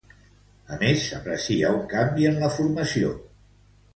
A més, s'aprecia un canvi en la formació.